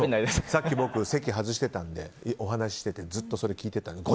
さっき僕、席を外していてお話していてずっとそれを聞いていたんです。